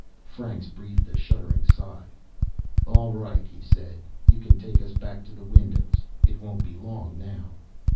Franks breathed a shuddering sigh. "All right," he said. "You can take us back to the windows. It won't be long now."